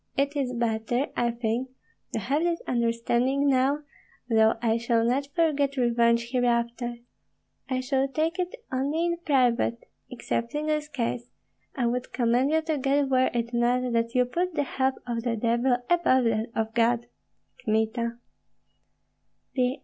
It is better, I think, to have this understanding now; though I shall not forget revenge hereafter, I shall take it only in private, excepting this case. I would commend you to God were it not that you put the help of the devil above that of God. Kmita.